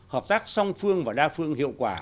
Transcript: hợp tác song phương và đa phương hiệu quả